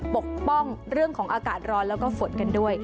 ปกป้องเรื่องของอากาศร้อนแล้วก็ฝนกันด้วย